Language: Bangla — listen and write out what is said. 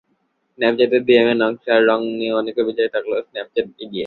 স্ন্যাপচ্যাটের ডিএমের নকশা আর রং নিয়ে অনেকের অভিযোগ থাকলেও স্ন্যাপচ্যাট এগিয়ে।